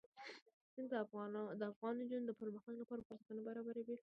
سیندونه د افغان نجونو د پرمختګ لپاره فرصتونه برابروي.